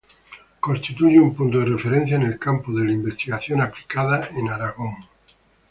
Constituye un punto de referencia en el campo de la investigación aplicada en Aragón.